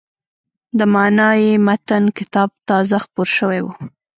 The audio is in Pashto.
د «معنای متن» کتاب تازه خپور شوی و.